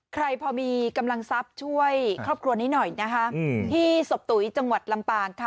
ใครพอมีกำลังทรัพย์ช่วยครอบครัวนี้หน่อยนะคะที่ศพตุ๋ยจังหวัดลำปางค่ะ